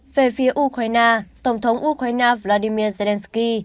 về phía ukraine tổng thống ukraine vladimir zelensky